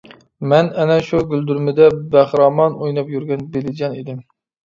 مەن ئەنە شۇ گۈلدۈرمىدە بەخىرامان ئويناپ يۈرگەن بېلىجان ئىدىم.